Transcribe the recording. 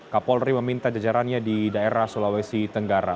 kapolri meminta jajarannya di daerah sulawesi tenggara